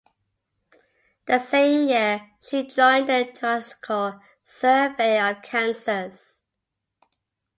The same year she joined the geological Survey of Kansas.